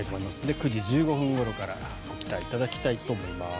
９時１５分ごろからご期待ただきたいと思います。